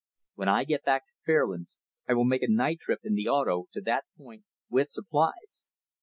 "When I get back to Fairlands, I will make a night trip in the 'auto' to that point, with supplies.